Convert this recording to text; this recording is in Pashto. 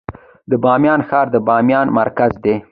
د بامیان ښار د بامیان مرکز دی